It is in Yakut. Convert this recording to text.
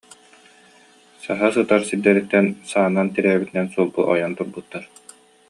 Саһа сытар сирдэриттэн саанан тирээбитинэн сулбу ойон турбуттар